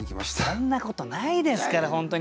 そんなことないですから本当に。